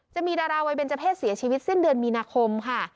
จะมีดาราวัยเบนเจอร์เพศเสียชีวิตสิ้นเดือนมีนาคมค่ะ